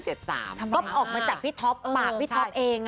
ก็ออกมาจากพี่ท็อปปากพี่ท็อปเอง